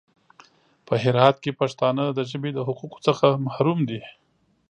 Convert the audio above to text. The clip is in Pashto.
په هرات کې پښتانه د ژبې د حقوقو څخه محروم دي.